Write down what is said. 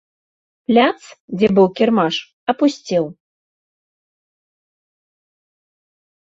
Пляц, дзе быў кірмаш, апусцеў.